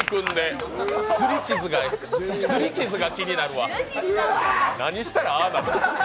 擦り傷が気になるわ何したらああなるん。